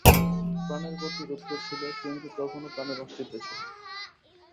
প্রাণের গতি রুদ্ধ ছিল, কিন্তু তখনও প্রাণের অস্তিত্ব ছিল।